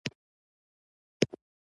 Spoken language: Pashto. بې له دې چې اهل علم تورن کړي.